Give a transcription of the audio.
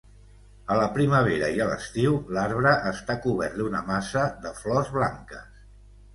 A la primavera i a l'estiu, l'arbre està cobert d'una massa de flors blanques.